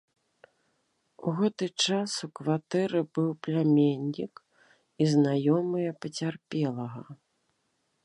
У гэты час у кватэры быў пляменнік і знаёмыя пацярпелага.